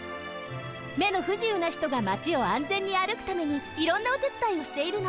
めのふじゆうなひとがマチをあんぜんにあるくためにいろんなおてつだいをしているの。